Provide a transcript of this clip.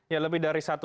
ya lebih dari satu